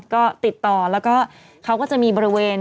ก็ติดต่อแล้วก็เขาก็จะมีบริเวณ